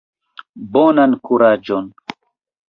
Bonan kuraĝon!